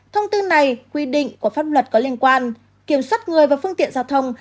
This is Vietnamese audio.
thông tư này quy định của pháp luật có liên quan kiểm soát người và phương tiện giao thông